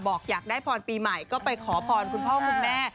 อยากได้พรปีใหม่ก็ไปขอพรคุณพ่อคุณแม่